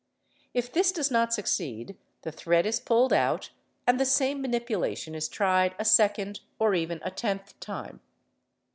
If this does not succeed, the thread is pulled out, and the _ same manipulation is tried a second or even a tenth time.